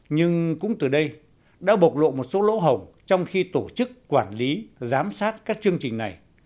nhưng cũng từ đây đã bộc lộ một số lỗ hồng trong khi tổ chức quản lý giám sát các chương trình này